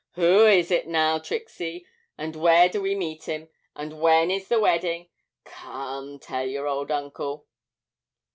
Who is it now, Trixie, and where do we meet him, and when is the wedding? Come, tell your old uncle.'